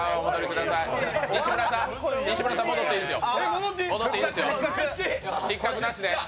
西村さん、戻っていいですよ。